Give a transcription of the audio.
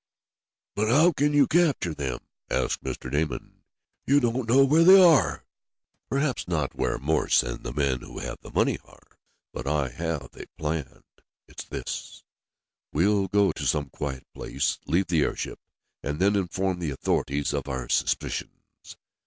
"But how can you capture them?" asked Mr. Damon. "You don't know where they are." "Perhaps not where Morse and the men who have the money are. But I have a plan. It's this: We'll go to some quiet place, leave the airship, and then inform the authorities of our suspicions.